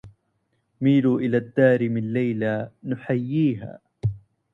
ميلوا إلى الدار من ليلى نحييها